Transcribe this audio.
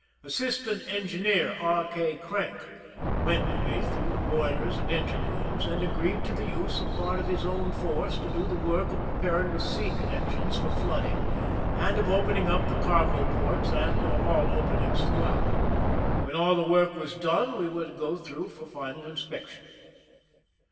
Assis tant Engineer R. K. Crank went with me through the boiler and €)ngine rooms, and agreed to the use of part of his own force to do the work of preparing the sea couDections for flooding and of opening up the cargo ports and all openings throughout. When all the work: was done, we were to go through for final inspection.